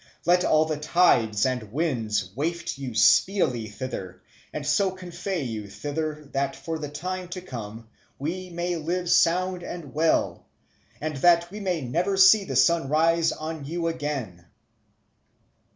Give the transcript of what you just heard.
Let all the tides and winds waft you speedily thither, and so convey you thither that for the time to come we may live sound and well, and that we may never see the sun rise on you again."